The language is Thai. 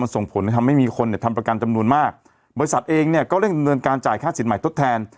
ส่งผลให้ทำให้มีคนเนี่ยทำประกันจำนวนมากบริษัทเองเนี่ยก็เร่งดำเนินการจ่ายค่าสินใหม่ทดแทน